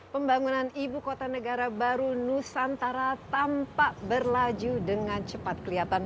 pembangunan ibu kota negara baru nusantara tampak berlaju dengan cepat kelihatan